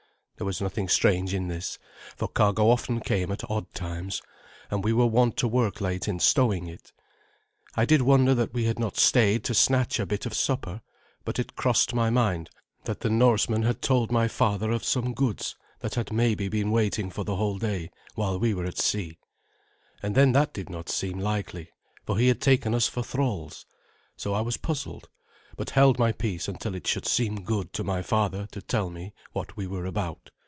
There was nothing strange in this, for cargo often came at odd times, and we were wont to work late in stowing it. I did wonder that we had not stayed to snatch a bit of supper, but it crossed my mind that the Norseman had told my father of some goods that had maybe been waiting for the whole day while we were at sea. And then that did not seem likely, for he had taken us for thralls. So I was puzzled, but held my peace until it should seem good to my father to tell me what we were about.